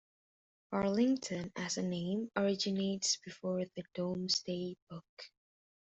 Farlington, as a name, originates before the Domesday Book.